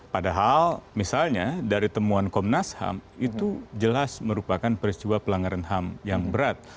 padahal misalnya dari temuan komnas ham itu jelas merupakan peristiwa pelanggaran ham yang berat